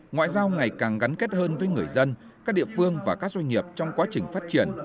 ngoại giao ngày càng gắn kết hơn với người dân các địa phương và các doanh nghiệp trong quá trình phát triển